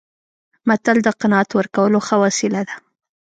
متل د قناعت ورکولو ښه وسیله ده